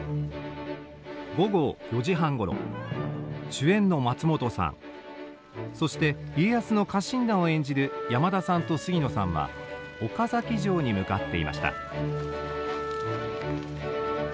主演の松本さんそして家康の家臣団を演じる山田さんと杉野さんは岡崎城に向かっていました。